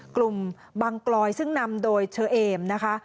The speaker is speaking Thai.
บังกลอยซึ่งนำโดยเชอเอมนะคะ